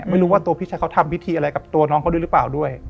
ไม่รู้ว่าตัวพี่ชายเขาทำพิธีอะไรกับตัวน้องเขาด้วยหรือเปล่าด้วย